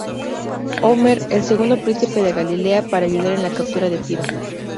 Omer, el segundo Príncipe de Galilea, para ayudar en la captura de Tiro.